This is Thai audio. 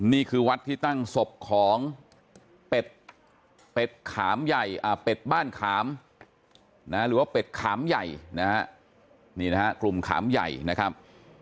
นี่คือวัดที่ตั้งศพของเป็ดขามใหญ่เป็ดบ้านขามหรือว่าเป็ดขามใหญ่นะฮะนี่นะฮะกลุ่มขามใหญ่นะครับ